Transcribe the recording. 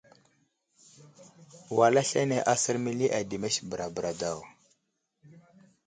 Wal aslane asər məli ademes bəra bəra daw.